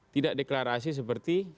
tidak deklarasi seperti